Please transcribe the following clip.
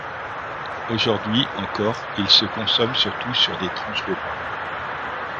Aujourd'hui, encore, il se consomme surtout sur des tranches de pain.